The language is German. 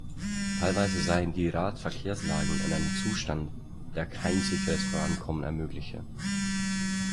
Teilweise seien die Radverkehrsanlagen in einem Zustand, der kein sicheres Vorankommen ermögliche.